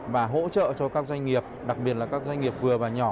và hỗ trợ cho các doanh nghiệp đặc biệt là các doanh nghiệp vừa và nhỏ